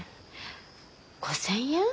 ５，０００円？